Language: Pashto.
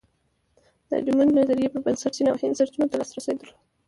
د ډایمونډ نظریې پر بنسټ چین او هند سرچینو ته لاسرسی درلود.